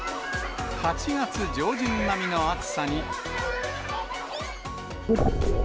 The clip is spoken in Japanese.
８月上旬並みの暑さに。